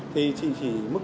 thì chỉ mức một